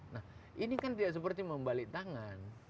nah ini kan tidak seperti membalik tangan